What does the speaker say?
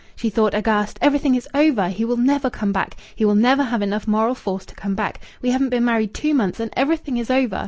She thought, aghast: "Everything is over! He will never come back. He will never have enough moral force to come back. We haven't been married two months, and everything is over!